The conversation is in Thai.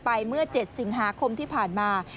เมื่อ๗สิงหาคมที่ผ่านมา